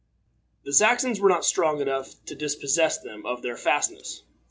The Saxons were not strong enough to dispossess them of their fastness.